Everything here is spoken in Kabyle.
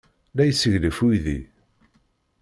La yesseglaf uydi.